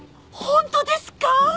本当ですか？